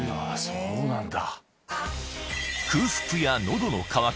そうなんだ。